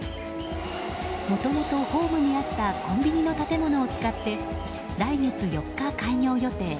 もともとホームにあったコンビニの建物を使って来月４日、開業予定。